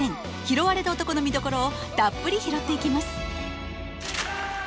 「拾われた男」の見どころをたっぷり拾っていきます。